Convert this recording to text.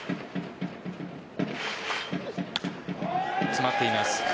詰まっています。